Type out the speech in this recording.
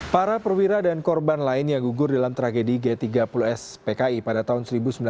para perwira dan korban lain yang gugur dalam tragedi g tiga puluh s pki pada tahun seribu sembilan ratus enam puluh lima